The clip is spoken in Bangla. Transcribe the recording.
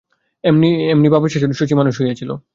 এমনি বাপের শাসনে শশী মানুষ হইয়াছিল।